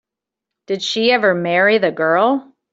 Did she ever marry the girl?